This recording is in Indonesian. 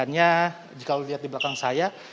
misalnya jika lo lihat di belakang saya